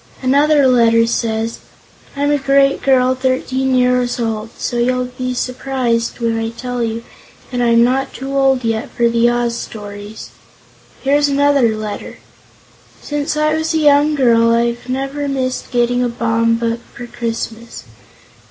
Another letter says: "I'm a great girl 13 years old, so you'll be surprised when I tell you I am not too old yet for the Oz stories." Here's another letter: "Since I was a young girl I've never missed getting a Baum book for Christmas.